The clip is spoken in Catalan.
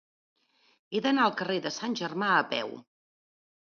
He d'anar al carrer de Sant Germà a peu.